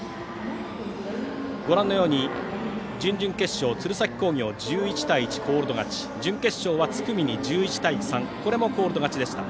ご覧のように準々決勝鶴崎工業を１１対１でコールド勝ち準決勝は津久見に１１対３これもコールド勝ちでした。